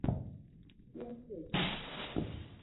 Chieng kech.